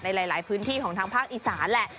หลายพื้นที่ของทางภาคอีสานแหละ